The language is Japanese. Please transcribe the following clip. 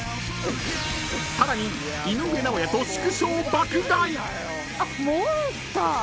［さらに井上尚弥と祝勝爆買い！］